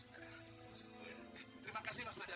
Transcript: terima kasih mas badar